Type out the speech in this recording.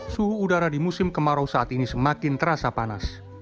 suhu udara di musim kemarau saat ini semakin terasa panas